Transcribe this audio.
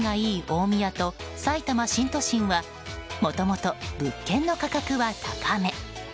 大宮とさいたま新都心はもともと物件の価格は高め。